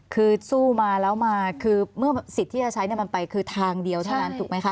คือสู้มาแล้วมาคือเมื่อสิทธิ์ที่จะใช้มันไปคือทางเดียวเท่านั้นถูกไหมคะ